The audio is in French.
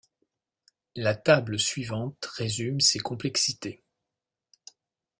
La table suivante résume ces complexités.